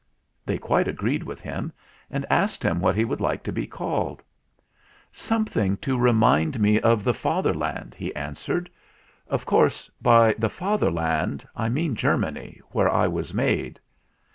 They quite agreed with him, and asked him what he would like to be called. "Something to remind me of the Father land," he answered. "Of course by 'the Fath erland' I mean Germany, where I was made.